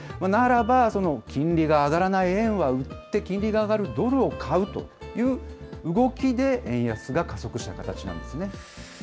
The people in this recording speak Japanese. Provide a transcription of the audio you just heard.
ならば、その金利が上がらない円は売って、金利が上がるドルを買うという動きで、円安が加速した形なんですね。